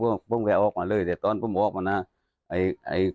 เพิ่มไปออกมาเลยแต่ตอนพวกมันละครับ